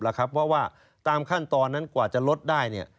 เพราะว่าตามขั้นตอนนั้นกว่าจะลดได้เนี่ย